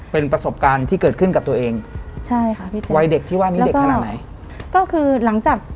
เป็นประสบการณ์ที่เกิดขึ้นกับตัวเอง